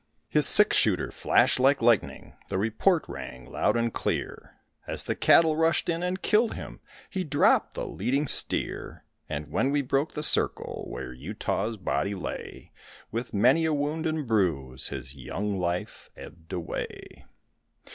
His six shooter flashed like lightning, the report rang loud and clear; As the cattle rushed in and killed him he dropped the leading steer. And when we broke the circle where Utah's body lay, With many a wound and bruise his young life ebbed away.